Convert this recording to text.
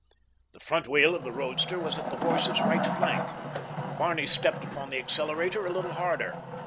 The front wheel of the roadster was at the horse's right flank. Barney stepped upon the accelerator a little harder.